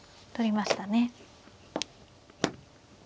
取りましたね。